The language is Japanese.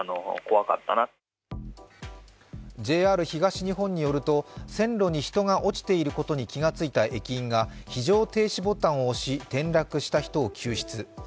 ＪＲ東日本によると線路に人が落ちていることに気付いた駅員が非常停止ボタンを押し、転落した人を救出。